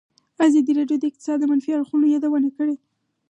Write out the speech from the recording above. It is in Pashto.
ازادي راډیو د اقتصاد د منفي اړخونو یادونه کړې.